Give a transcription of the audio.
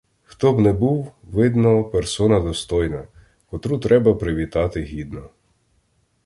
Хто б не був — видно, персона достойна, котру треба привітати гідно.